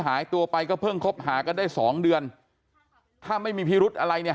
หายตัวไปก็เพิ่งคบหากันได้สองเดือนถ้าไม่มีพิรุธอะไรเนี่ย